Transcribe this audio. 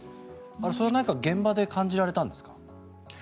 それは現場で感じられたんですか？